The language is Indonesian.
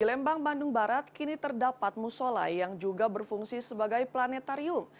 di lembang bandung barat kini terdapat musola yang juga berfungsi sebagai planetarium